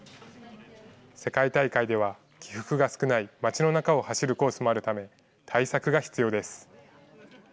世界大会では、起伏が少ない町の中を走るコースもあるため、対策が必要です。